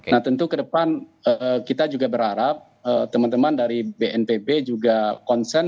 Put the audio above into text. nah tentu ke depan kita juga berharap teman teman dari bnpb juga concern